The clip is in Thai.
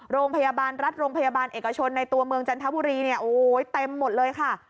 โรงพยาบาลรัฐโรงพยาบาลเอกชนในตัวเมืองจันทบุรีเนี่ยโอ้ยเต็มหมดเลยค่ะ